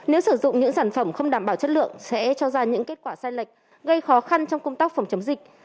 nếu sử dụng những sản phẩm không đảm bảo chất lượng sẽ cho ra những kết quả sai lệch gây khó khăn trong công tác phòng chống dịch